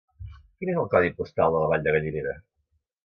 Quin és el codi postal de la Vall de Gallinera?